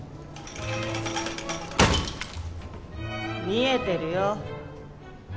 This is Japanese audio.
見えてるよ。